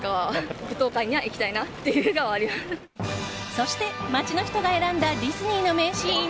そして、街の人が選んだディズニーの名シーン。